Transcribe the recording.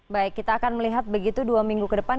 baik kita akan melihat begitu dua minggu ke depan